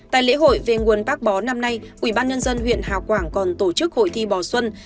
tại lễ hội về nguồn bác bó năm nay quỹ ban nhân dân huyện hà quảng còn tổ chức hội thi bò xuân